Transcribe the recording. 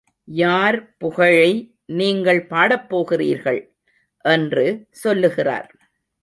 யார் புகழை நீங்கள் பாடப் போகிறீர்கள்? என்று சொல்லுகிறார்.